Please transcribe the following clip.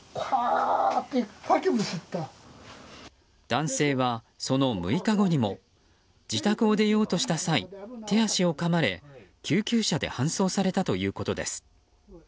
男性はその６日後にも自宅を出ようとした際手足をかまれ救急車で搬送されたということです。